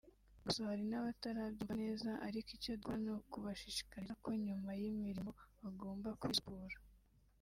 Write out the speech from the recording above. Gusa hari n’abatarabyumva neza ariko icyo dukora ni ukubashishikariza ko nyuma y’imirimo bagomba kwisukura